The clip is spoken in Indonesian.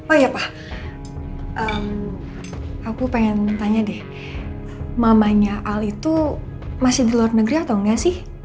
oh ya pak aku pengen tanya deh mamanya al itu masih di luar negeri atau enggak sih